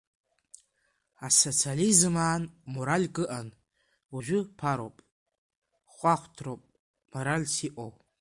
Асоциализм аан моральк ыҟан, уажәы ԥароуп, хәаахәҭроуп моральс иҟоу.